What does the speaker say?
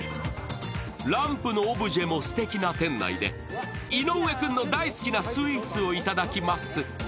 ランプのオブジェもすてきな店内で、井上君の大好きなスイーツをいただきます。